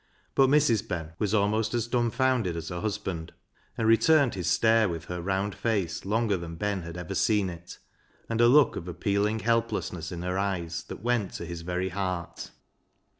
But Mrs. Ben was almost as dumbfounded as her husband, and returned his stare with her round face longer than Ben had ever seen it, and a look of appealing helplessness in her eyes that went to his very heart.